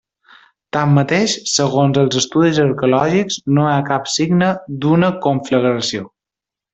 Tanmateix, segons els estudis arqueològics, no hi ha cap signe d'una conflagració.